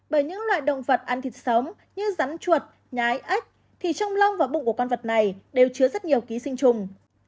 bởi những loại động vật ăn thịt sớm như rắn chuột nhái ếch thì trong long và bụng của con vật này đều chứa rất nhiều ký sinh trùng